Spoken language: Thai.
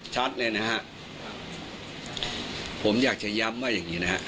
ชัดเลยนะฮะผมอยากจะย้ำว่าอย่างงี้นะฮะ